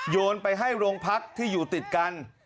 โยนไปให้โรงพักที่อยู่ติดกัน